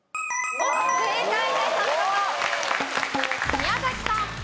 宮崎さん。